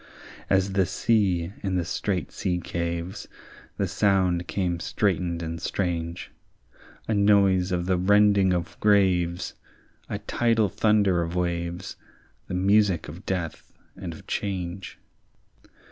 As the sea in the strait sea caves, The sound came straitened and strange; A noise of the rending of graves, A tidal thunder of waves, The music of death and of change.